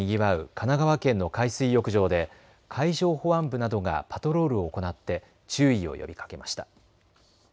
神奈川県の海水浴場で海上保安部などがパトロールを行って注意を呼びかけました。